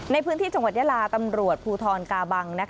ในพื้นที่จังหวัดยาลาตำรวจภูทรกาบัง